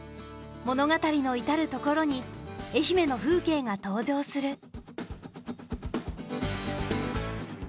物語の至る所に愛媛の風景が登場する。